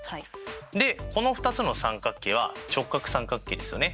でこの２つの三角形は直角三角形ですよね。